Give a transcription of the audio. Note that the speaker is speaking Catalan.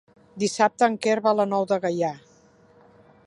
Dissabte en Quer va a la Nou de Gaià.